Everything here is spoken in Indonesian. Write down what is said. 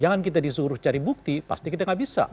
jangan kita disuruh cari bukti pasti kita nggak bisa